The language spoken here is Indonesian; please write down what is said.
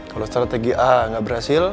kalau strategi a nggak berhasil